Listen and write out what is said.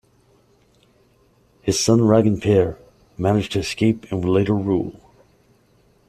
His son Raginpert managed to escape and would later rule.